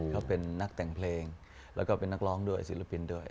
เขาเป็นนักแต่งเพลงแล้วก็เป็นนักร้องด้วยศิลปินด้วย